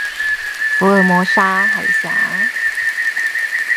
福爾摩沙海峽